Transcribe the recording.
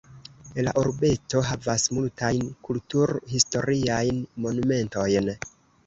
La urbeto havas multajn kultur-historiajn monumentojn.